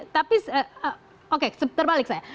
tapi oke terbalik saya